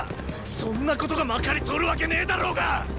そんなことがまかり通るわけねェだろが！！